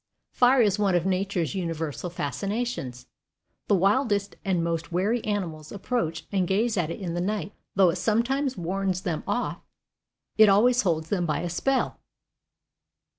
Fire is one of nature's universal fascinations. The wildest and most wary animals approach and gaze at it in the night, and though it sometimes warns them off, it always holds them by a spell.